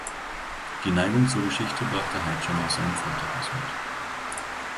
Die Neigung zur Geschichte brachte Heyd schon aus seinem Vaterhaus mit.